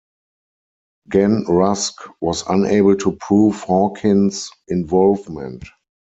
Gen Rusk was unable to prove Hawkins' involvement.